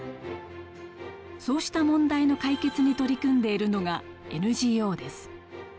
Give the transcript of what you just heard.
そうした問題の解決に取り組んでいるのがＮＧＯです。